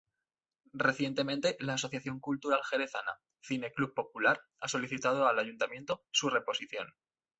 Recientemente la asociación cultural jerezana, Cine-Club Popular ha solicitado al Ayuntamiento su reposición.